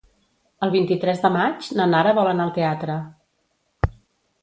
El vint-i-tres de maig na Nara vol anar al teatre.